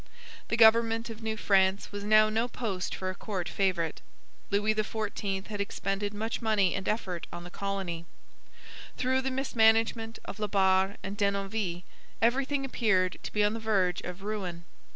The government of New France was now no post for a court favourite. Louis XIV had expended much money and effort on the colony. Through the mismanagement of La Barre and Denonville everything appeared to be on the verge of ruin.